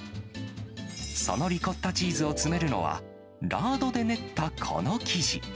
そのリコッタチーズを詰めるのは、ラードで練ったこの生地。